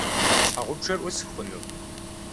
Щхьэгъубжэр ӏусх хъуну?